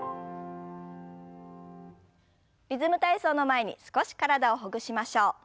「リズム体操」の前に少し体をほぐしましょう。